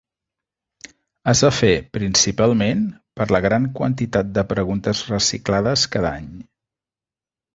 Es va fer, principalment, per la gran quantitat de preguntes reciclades cada any.